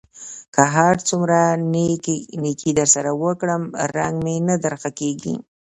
که هر څومره نېکي در سره وکړم؛ رنګ مې نه در ښه کېږي.